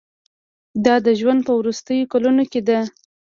دا د ژوند په وروستیو کلونو کې ده.